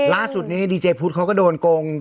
ล่าสุดนี้ดีเจพุทธเขาก็โดนโกง